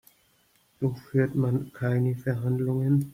So führt man keine Verhandlungen.